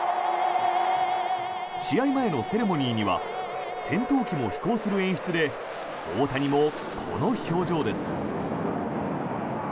試合前のセレモニーには戦闘機も飛行する演出で大谷もこの表情です。